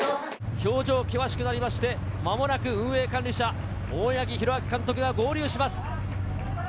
表情険しくなりまして、まもなく運営管理車、大八木弘明監督が合流します。